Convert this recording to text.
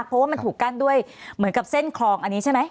เพราะว่ามันถูกกั้นด้วยเหมือนกับเส้นคลองอันนี้ใช่ไหม